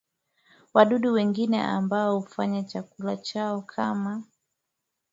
wadudu wengine ambao hufanya chakula chao kama